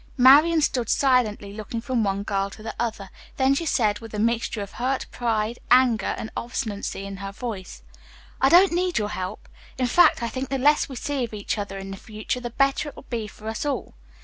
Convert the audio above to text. Marian stood silently looking from one girl to the other, then she said with a mixture of hurt pride, anger and obstinacy in her voice: "I don't need your help. In fact, I think the less we see of each other in future the better it will be for us all.